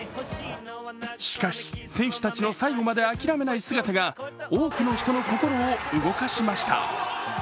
しかし、選手たちの最後まであきらめない姿が多くの人の心を動かしました。